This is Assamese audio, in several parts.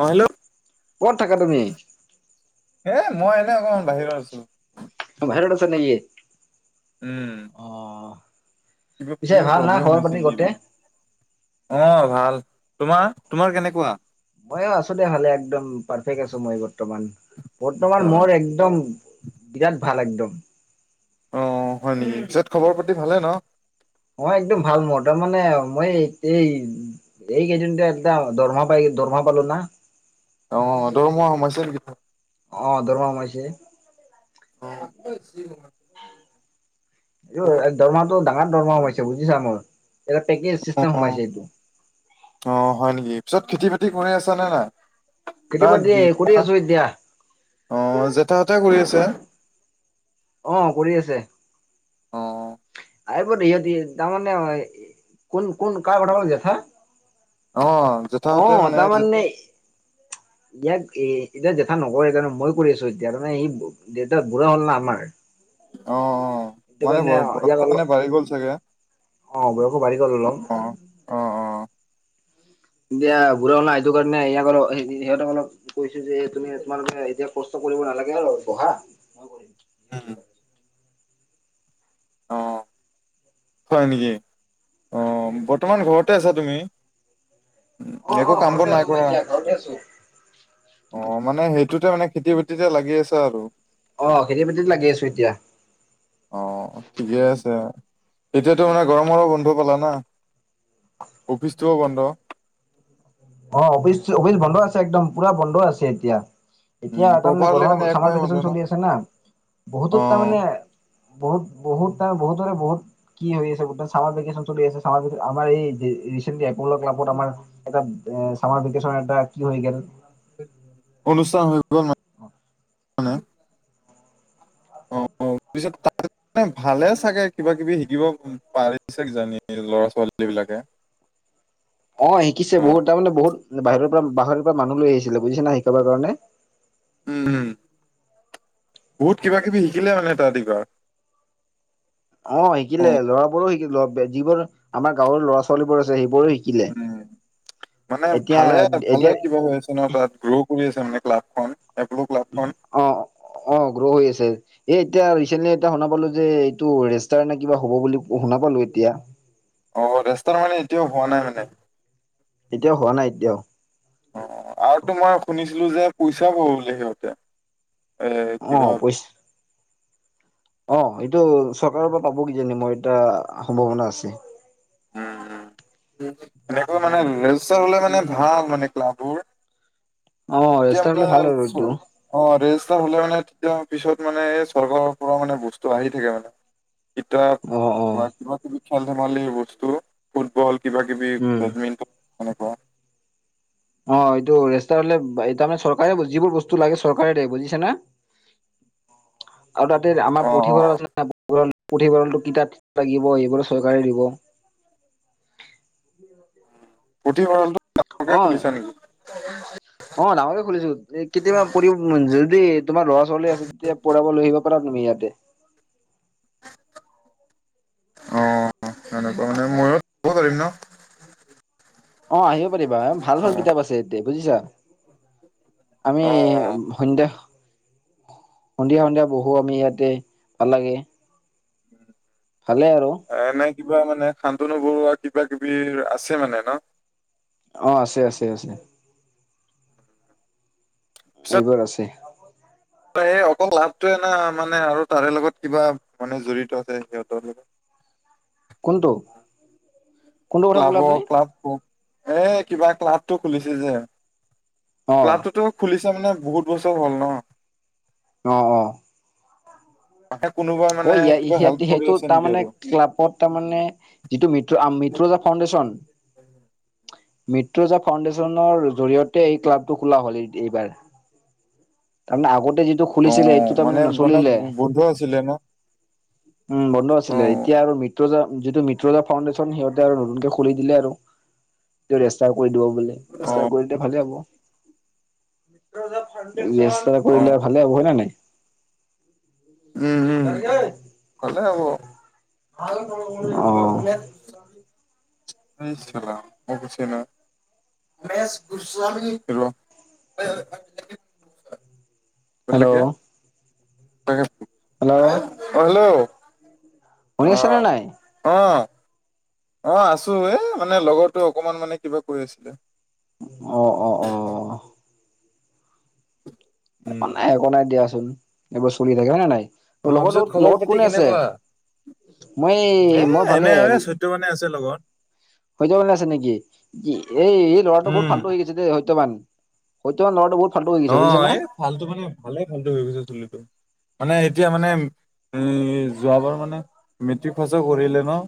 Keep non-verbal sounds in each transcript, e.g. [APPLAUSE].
অ', হেল্লো' ক'ত থাকা তুমি? এ মই এনেই অকমান বাহিৰত আছোঁ। বাহিৰত আছা নেকি? উম। অ', কিবা পিছে কিবা ভাল না প্ৰব্লেম হৈ খবৰ আছে পাতি নেকি বা ঘৰতে? অ', ভাল। তোমাৰ, তোমাৰ কেনেকুৱা? মইও আছোঁ দে ভালে একদম পাৰফেক্ট আছোঁ মই বৰ্তমান, বৰ্তমান অ মোৰ একদম বিৰাট ভাল একদম। অঁ, হয় নেকি? পিছত খবৰ পাতি ভালে ন? অ', একদম ভাল মোৰ, তাৰমানে মই এই এই কেইদিনতে একটা দৰমহা পাই দৰমহা পালো না। অ', দৰমহা সোমাইছে নেকি ত অ', দৰমহা সোমাইছে। অ' [UNINTELLIGIBLE] এইটো দৰমহাটো ডাঙৰ দৰমহা সোমাইছে বুজিছা মোৰ, এটা পেকেজ অ চিষ্টেম সোমাইছে এইটো। অ', হয় নেকি? পিছত খেতি বাতি কৰি আছা নে নাই? খেতি বাতি কৰি আছো এতিয়া [UNINTELLIGIBLE] অ', জেঠাহঁতে কৰি আছে। অ', কৰি আছে। অ আহিব দে ইহঁতি, তাৰমানে কোন, কোন কাৰ কথা কলি দেতা? অ জেঠাহঁতে অ', তাৰ মানে ইয়াক এ এতিয়া দেতা নকৰে জান মই কৰি আছোঁ এতিয়া তাৰমানে এই দেউতা বুঢ়া হ'ল না আমাৰ। অ', অ', সেইটো মানে কাৰণে বয় ইয়াক বয়সটো মানে অলপ বাঢ়ি গ'ল চাগে অ', বয়সো বাঢ়ি গল অলপ অ অ অ এতিয়া বুঢ়া হল না সেইটো কাৰণে ইয়াক আৰু সিহঁতক অলপ কৈছোঁ যে, তুমি তোমালোকে এতিয়া কষ্ট কৰিব নালাগে আৰু বহা মই কৰিম। উম। অঁ। হয় নেকি? অঁ, বৰ্তমান ঘৰতে আছা তুমি? উম অ', একো অ', কাম বন ঘৰতে নাই আছোঁ মই কৰা এতিয়া ঘৰতে আছোঁ। অ', মানে সেইটোতে মানে খেতি বাতিতে লাগি আছে আৰু অ', খেতি বাতিতে লাগি আছোঁ এতিয়া। অ', ঠিকে আছে। এতিয়াতো মানে গৰমৰো বন্ধ পালা না। অফিচটোও বন্ধ। অ, অফিচ অফিচ বন্ধ আছে একদম পুৰা বন্ধ আছে এতিয়া। এতিয়া উম তাৰমানে প্ৰপাৰলি মানে গৰমৰ চামাৰ একমাহে বন্ধ ভেকেশ্বন ন চলি আছে না, অ বহুতত তাৰমানে বহুত বহুত তাৰ বহুতৰে বহুত, কি হৈ আছে গম পায়, ছামাৰ ভেকেচন চলি আছে ছামাৰ ভেকেচন আমাৰ এই ৰিচেন্টলি এপল ক্লাবত আমাৰ এটা চামাৰ ভেকেচন এটা কি হৈ গ'ল, অনুষ্ঠান হৈ গ'ল মা অ [UNINTELLIGIBLE] অ অ পিছত [UNINTELLIGIBLE] মানে ভালে চাগে কিবা কিবি শিকিব পাৰিছে কিজানি ল'ৰা ছোৱালী বিলাকে। অ শিকিছে অ বহুত, তাৰ মানে বহুত বাহিৰৰ পৰা বাহিৰৰ পৰা মানুহ লৈ আহিছিলে বুজিছে না শিকাবা কাৰণে। উম উম। বহুত কিবা কিবি শিকিলে মানে তাহাতি বা? অ শিকিলে, ল'ৰা বোৰো শিকিলে, যিবোৰ আমাৰ গাঁৱৰ ল'ৰা ছোৱালী বোৰ আছে সেইবোৰো শিকি উম। মানে ভালে ভালে এতিয়া কিবা হৈ আছে ন তাত? গ্ৰো কৰি আছে মানে ক্লাবখন। এপ্লু ক্লাবখন। অ অ গ্ৰ হৈ আছে। এ এতিয়া ৰিচেণ্টলি এ শুনা পালো যে, এইটো ৰেষ্টাৰ নে কিবা হ'ব বুলি শুনা পালো এতিয়া। অ ৰেষ্টাৰ মানে এতিয়াও হোৱা নাই মানে? এতিয়াও হোৱা নাই এতিয়াও। অ। আৰু তোমাৰ শুনিছিলো যে পইচা পাব বোলে সিহঁতে। এ অ কিবা পইচা অ এইটো চৰকাৰৰ পৰা পাব কিজানি মই এটা সম্ভাৱনা আছে। এনেকা মানে ৰেজিষ্টাৰ হলে মানে ভাল মানে ক্লাববোৰ। অ তেতিয়া ৰেষ্টাৰ হলে মানে ভাল আৰু এইটো চৰি অ ৰেজিষ্টাৰ হলে মানে তেতিয়া পিছত মানে এই চৰকাৰৰ পৰা মানে বস্তু আহি থাকে মানে। কিতাপ অ অ বা কিবা কিবি খেল ধেমালিৰ বস্তু। ফুটবল কিবা কিবি উম বেডমিণ্টন এনেকুৱা। অ এইটো ৰেষ্টাৰ হলে তাৰমানে চৰকাৰে যিবোৰ বস্তু লাগে চৰকাৰে দে বুজিছে না? আৰু তাতে আমাৰ অ অ পুথিভঁৰাল আছিল না [UNINTELLIGIBLE] পুথিভঁৰালটোত কিতাপ লাগিব, এইবোৰ চৰকাৰে দিব। পুথিভঁৰালটো অ। উ [INAUDIBLE] অ ডাঙৰকে খুলিছো। এ কেতিয়াবা পঢ়িব যদি তোমাৰ ল'ৰা ছোৱালী আছে তেতিয়া পঢ়াব লৈ আহিব পাৰা তুমি ইয়াতে। অ সেনেকুৱা মানে মইওঁ পঢ়িব পাৰিম ন? অ আহিব পাৰিবা, ভাল ভাল অ'। কিতাপ আছে এতিয়া বুজিছা। আমি অ', সন্ধিয়া সন্ধিয়া সন্ধিয়া বহু আমি ইয়াতে ভাল লাগে। ভালে আৰু। এনে কিবা মানে শান্তনু বৰুৱা কিবা কিবি আছে মানে ন? অ আছে আছে আছে। এইবোৰ আছে। এই অকল লাভটোৱে না, মানে আৰু তাৰে লগত কিবা মানে জড়িত আছে সিহঁতৰ লগত? কোনটো? কোনটো কথা ক'লে ক্লাবৰ আপুনি ক্লাব এ কিবা ক্লাবটো খুলিছে যে? অ ক্লাবটোতো খুলিছে মানে বহুত বছৰ হ'ল ন? অ, অ। তাকে কোনোবা অ মানে ইয়া কিবা হেল্প ইহেতি কৰি সেইটো আছে নেকি তামানে আৰু? ক্লাবত তাৰ মানে যিটো মিঠো আম মিথো আ মিত্ৰজা ফাউণ্ডেশ্যন। মিত্ৰজা ফাউণ্ডেশ্যনৰ জৰিয়তে এই ক্লাবটো খোলা হ'ল এই এইবাৰ। তাৰমানে আগতে যিটো খুলিছিলে, সেইটো তাৰমানে নচলিলে। বন্ধয়ে আছিলে ন? উম বন্ধ আছিলে। অ', এতিয়া আৰু মিত্ৰজা যিটো মিত্ৰজা ফাউণ্ডেশ্যন, সিহঁতে আৰু নতুনকে খুলি দিলে আৰু। তেওঁ ৰেষ্টাও কৰি দিব বোলে। ৰাস্তা অ', কৰি দে ভালে হ'ব। ৰেষ্টাৰ অ', কৰিলে ভালে হ'ব। হয় না নাই? উম, উম, ভালে হ'ব। [UNINTELLIGIBLE] [UNINTELLIGIBLE] [UNINTELLIGIBLE] হেল্ল', [UNINTELLIGIBLE] অ হেল্ল', হেল্ল'! শুনি অ। আছেনে নাই? অ, অ আছো। এ মানে লগৰতো অকমান মানে কিবা কৈ আছিলে। অ অ। অ', উম একো নাই একো নাই দিয়াচোন। এইবোৰ চলি থাকে হয়নে নাই? অ লগৰ পিছত লগত খবৰ লগত পাতি কোনে আছে? কেনেকুৱা মই এই মই ভালে। টো মানে আছে লগত। সত্যবানে আছে নেকি? এ এই ল'ৰাটো বহুত উম ফাল্টো হৈ গৈছে দেই, সত্যবান। সত্যবান লৰাটো বহুত ফাল্টু হৈ গৈছে অ, বুজিছা না? এই ফাল্টো মানে ভালে ফাল্টো হৈ গৈছে চুলিটো। মানে এতিয়া মানে যোৱাবাৰ মানে মেট্ৰিক পাছো কৰিলে ন?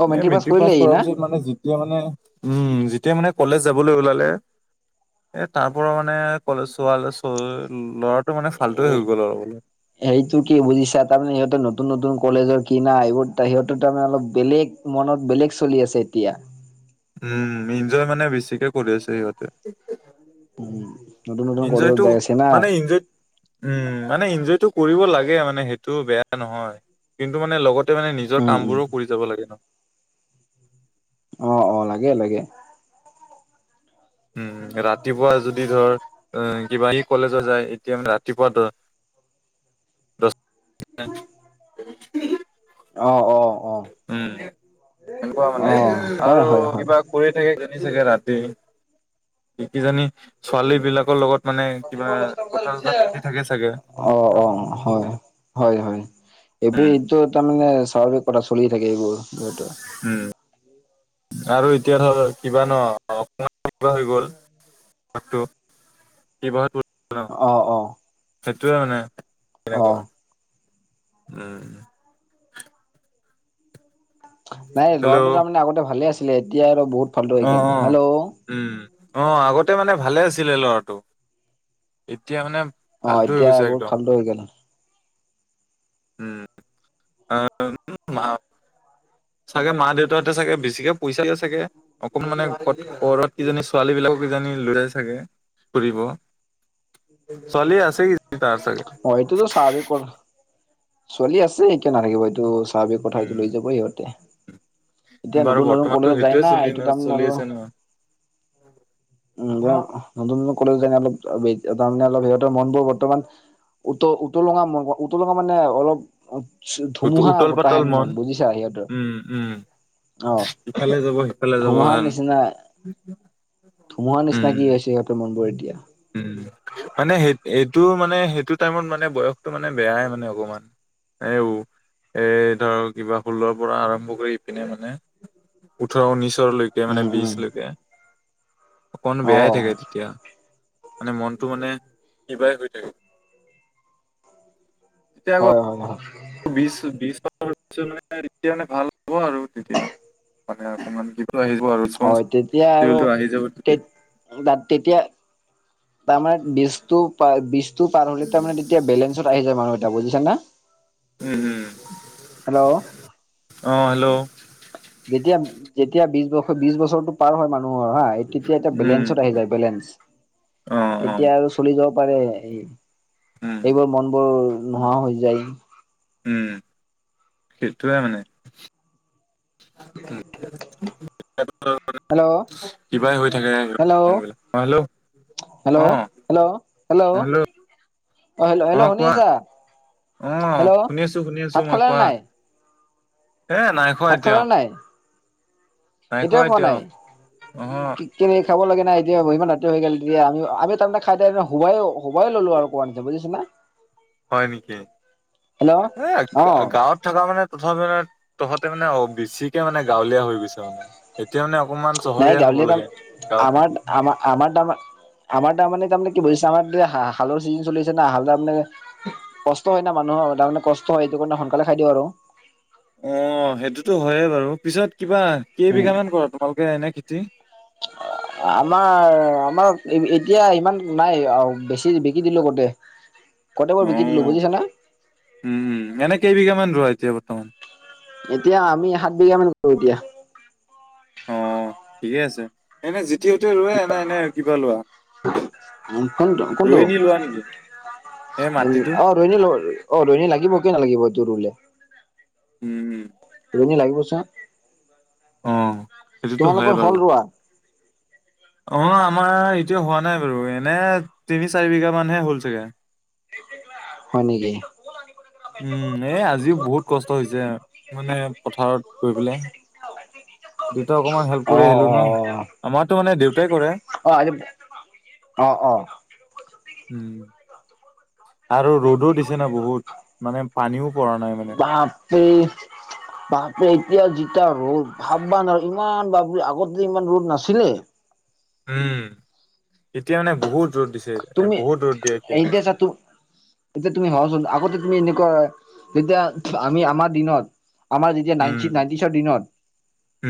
অ', এ মেট্ৰিক কৰিলে পাছ সি কৰাৰ না? পিছত মানে যি যেতিয়া মানে উম যেতিয়া মানে কলেজ যাবলৈ ওলালে এ তাৰ পৰা মান মানে কলেজ চোৱালে [UNINTELLIGIBLE] ল'ৰাটো মানে ফাল্টুৱে হৈ গ'ল আৰু মানে। সেইটো কি বুজিছা? তাৰমানে সিহঁতৰ নতুন নতুন কলেজৰ কিনা এইবোৰ সিহঁততে তাৰমানে অলপ বেলেগ মনত বেলেগ চলি আছে এতিয়া। উম, ইনজয় মানে বেছিকে কৰিছে সিহঁতে। উম, নতুন নতুন কলেজত ইনজয়টো যায় আছে না। মানে ইনজয় উম, মানে ইনজয়টো কৰিব লাগে মানে সেইটো বেয়া নহয়। কিন্তু মানে লগত তই মানে নিজৰ উম কাম উম বোৰো কৰি যাব লাগে ন? অ অ, লাগে লাগে। উম উম, ৰাতিপুৱা যদি ধৰ অ কিবা [UNINTELLIGIBLE] [UNINTELLIGIBLE] অ অ। উম, এনেকুৱা অ মানে হয় আৰু হয় হয় কিবা কৰি থাকে কিজানি চাগে ৰাতি। কি কিজানি ছোৱালী বিলাকৰ লগত। মানে অ, কিবা কথা চথা পাতি থাকে চাগে। অ, হয়। হয় হয়। এইবোৰ উম, ইজত তাৰমানে স্বাভাৱিক কথা চলিয়েই থাকে এইবোৰ সিহঁত। উম আৰু এতিয়া ধৰ কিবা ন [UNINTELLIGIBLE] ত অ অ সেইটোয়ে মানে অ তেনেকুৱা। উম। নাই হেল্ল' ল'ৰাটো তাৰমানে আগতে ভালে আছিলে এতিয়া আৰু বহুত ফাল্টু হৈ গেল। হেল্ল' উম অ আগতে মানে ভালে আছিলে ল'ৰাটো এতিয়া মানে অ ফাল্টু হৈ এতিয়া গৈছে বহুত একদম। ফাল্টু হৈ গ'ল [INAUDIBLE] চাগে মা দেউতাহঁতে চাগে বেছিকে পইচা দিয়ে চাগে। অকণ মানে ঘৰত কিজানি ছোৱালী বিলাকো কিজানি লৈ আনে চাগে ফুৰিব। ছোৱালী আছে কি তাৰ চাগে। হয় এইটোতো স্বভাবিক। ছোৱালী আছে কিয় নাথাকিব এইটো স্বাভাৱিক কথা এইটো লৈ উম যাব সিহঁতে। এতিয়া বাৰু নতুন নতুন বৰ্তমানতো কলেজত যায় সেইটোয়ে না চলি এইটো ন তাৰমানে চলি আৰু আছে ন। উ নতুন নতুন কলেজ ন অলপ তাৰমানে অলপ সিহঁতৰ মন বোৰ বৰ্তমান উত-উতলঙা, উতলঙা মানে অলপ। অ, ধুমুহা উতল পাতল বতাহেন মন বুজিছা সিহঁতৰ। উম উম অহ, ইফালে যাব সিফালে যাব ধুমুহাৰ হেন নিচিনা। ধুমুহাৰ নিচিনা উম কি হৈছে সিহঁতৰ মনবোৰ এতিয়া। উম, মানে সেই, এইটো মানে সেইটো টাইমত মানে বয়সটো মানে বেয়াই মানে অকমান। এই। এ ধৰক কিবা ষোল্লৰ পৰা আৰম্ভ কৰি ইপিনে মানে ওঠৰ উনিশলৈকে। মানে উম উম বিজ লৈকে, অকন অ বেয়াই থাকে তেতিয়া। মানে, মনটো মানে, কিবাই হৈ থাকে। হয়- হয়- হয়। বিশ-বিশ [UNINTELLIGIBLE] মানে এতিয়াে ভাল হ'ব আৰু তেতিয়া মানে অকমান কিব আহিব আৰু। হয়, ৰেচপনচিবিলিটো তেতিয়া আৰু আহি যাব তে। তেতিয়া। ত তেতিয়া, তাৰমানে বীজটো- বীজটো পাৰ হ'লে তাৰমানে তেতিয়া বেলেঞ্চ। ত আহি যায় মানুহকেটা বুজিছানে। উম হুম। হেল্ল'। যেতিয়া-যেতিয়া বিশ বছৰ-বিশ বছৰতো পাৰ হয় মানুহৰ হা। তেতিয়া এটা উম, বেলেঞ্চত আহি যায় বেলেঞ্চ, অ', অ', তেতিয়া আৰু চলি যাব পাৰে এই। উম, এইবোৰ মনবোৰ নোহোৱা হৈ যায়। উম, সেইটোয়ে মানে। হেল্ল' কিবাই হৈ থাকে মনবিলাক, অ হেল্ল'। অ অ হেল্ল'-হেল্ল'-হেল্ল'। হেল্ল' অ কোৱা, অ হেল্ল' শুনি আছো, শুনি আছো ভাত মই খালা নে কোৱা। নাই? এ নাই। খোৱা ভাত এতিয়া খালা নাই। নাই এতিয়াও খোৱা এতিয়া নাই, অ কি। কেনেক খাব লাগে না এতিয়া, ইমান ৰাতি হৈ গেল তেতিয়া, আমিও তাৰমানে খাইদাই হোবাই-হোবাই ললো আৰু কোৱা নি বুজিছানা। হয় নেকি, হেল্ল' এ অ গাঁৱত। থকা মানে তথ তহঁতে মানে বেছিকে মানে গাঁৱলীয়া হৈ গৈছে মানে এতিয়া মানে। অকণমান নাই চহৰীয়া হ'ব গাঁৱলীয়া কাম লাগে, গাঁৱত আমাৰ থাকি। আমাৰ, আমাৰ তামা আমাৰ তাৰমানে তাৰমানে কি বুজিছা, আমাৰ এতিয়া হালৰ চিজন চলিছে না, হাল তাৰ মানে। কষ্ট হয় না মানুহৰ, তাৰমানে কষ্ট হয়, সেইটো কাৰণে সোনকালে খাই দিওঁ আৰু। অ সেইটোতো হয়য়ে বাৰু, পিছত কিবা উম, কেইবিঘা মান কৰা তোমালোকে এনে খেতি। [INAUDIBLE] আমাৰ, আমাৰ এতিয়া ইমান নাই, বেছি, বিকি দিলোঁ গোতে। [INAUDIBLE] গোটেবোৰ বিকি দিলো বুজিছানে। উম, উম, এনেই কেই বিঘামান ৰোৱা এতিয়া বৰ্তমান। এতিয়া আমি সাত বিঘামান কৰো এতিয়া। অ, ঠিকেই আছে, এনে জিতি হতে ৰোৱে, নে নে কিবা লোৱা। উ, কোনটো, কোনটো? এ মাত। অ', ৰোৱনী ল, অ ' ৰোৱনী লাগিব, কিয় নালাগিব এইটো ৰুলে। উম' উম '। ৰোৱনী লাগিব চা। অ। সেইটোতো হয় তোমালোকৰ বাৰু হ'ল ৰোৱা। অ, আমাৰ এতিয়া হোৱা নাই বাৰু, এনে তিনি চাৰি বিঘা মানহে হ'ল চাগে। হয় নিকি? উম, এ, আজিও বহুত কষ্ট হৈছে মানে পথাৰত। গৈ পেলাই দেউতা অকমান হেল্প [UNINTELLIGIBLE] অ, কৰি আহিলো অ, ন আমাৰতো মানে দেউতাই কৰে অ, আজি অ, অ,। উম,। আৰু ৰ'দো দিছে ন বহুত, মানে পানীও পৰা নাই মানে। এই বাপৰে এতিয়া যেতিয়া ৰ'দ ভাব্বা নোৱাৰোঁ, ইমান বাপ আগতে যে ইমান ৰ'দ নাছিলে। উম, এতিয়া মানে বহুত ৰ'দ দিছে, বহুত ৰ'দ দিয়ে এতিয়া। ছা তো এতিয়া তুমি ভাবাচোন, আগতে তুমি এনেকুৱা যেতিয়া আমি আমাৰ দিনত আমাৰ যেতিয়া উম নাইনটি নাইটি চৰ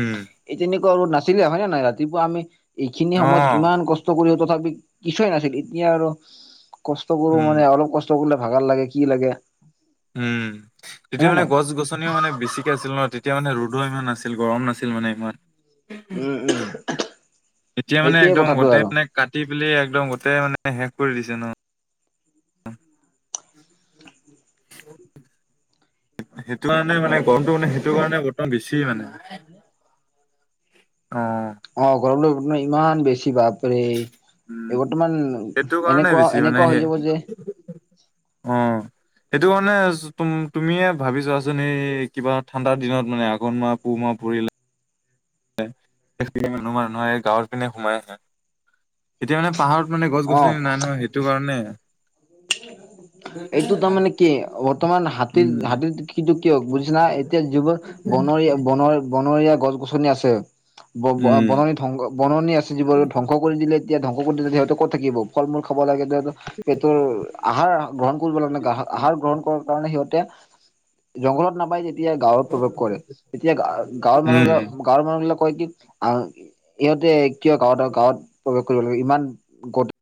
উম এই তেনেকুৱা ৰ'দ নাছিলে হয় নে নাই, ৰাতিপুৱা আমি এইখিনি অ সময়ত ইমান কষ্ট কষ্ট কৰিও তথাপিও কিছুৱে নাছিল, এতিয়া আৰু কষ্ট কৰো উম মানে অলপ কচ কষ্ট কৰিলে ভাগাৰ লাগে কি লাগে। উম, হয় তেতিয়া নে মানে নাই গছ-গছ মানে বেছিকে আছিল ন, তেতিয়া মানে ৰ'দো ইমান নাছিল, গৰম নাছিল মানে ইমান। উম উম এতিয়া মানে সেইটোয়ে একদম কথাটো গোটেই আৰু মানে কাটি পেলি একদম গোটেই মানে শেষ কৰি দিছে ন। সেইটো কাৰণে মানে গৰমটো মানে সেইটো কাৰণে বৰ্তমান বেছি মানে। অ। অ, গৰম ইমান বেছি বাপ। এই, উম। বৰ্তমান সেইটো কাৰণে এনেকুৱা, বেছি মানে এনেকুৱা হৈ সেই যাব যে অ। সেইটো মানে তুমিয়ে ভাবিছোৱাচোন, এই কিবা ঠাণ্ডা দিনত মানে আগনোৱা পুহ মাহ পৰিলে [UNINTELLIGIBLE] মানুহে গাঁৱত পিনে সোমাই আহে, এতিয়া মানে পাহাৰত মানে অ গছ-গছনি নাই নহয়, সেইটো কাৰণে। এইটো তাৰমানে কি, বৰ্তমান উম, হাতীৰ-হাতীৰ কিন্তু কিয় বুজিছা না! এতিয়া যিবোৰ বনৰীয়া-বনৰ-বনৰীয়া গছ-গছনি আছে ব, ব, উম, বননি ধংস, বননি আছে, যিবোৰ ধ্বংস কৰি দিলে, এতিয়া ধ্বংস কৰি দিলে সিহঁতে ক'ত থাকিব, ফল-মূল খাব লাগে। পেটৰ আহাৰ গ্ৰহণ কৰিব লাগে ন, আহাৰ গ্ৰহণ কৰ কাৰণে সিহঁতে জংঘলত নাপায় যেতিয়া তেতিয়া গাঁৱত প্ৰৱেশ কৰে, তেতিয়া গাঁৱৰ মানুহ উম। বিলাক, গাঁৱৰ মানুহ বিলাক কয় কি, আহ ইহঁতে কিয় গাঁৱত-গাঁৱত প্ৰৱেশ কৰিব লাগিব, ইমান গট